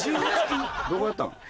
どこやったん？